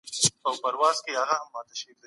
ګډ حکومتونه څنګه جوړېږي او فعاليت کوي؟